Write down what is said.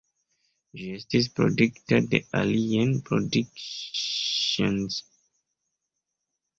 Ĝi estis produktita de Alien Productions.